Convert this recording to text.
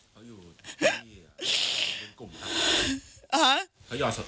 เขาอยู่บึงกุ่มครับ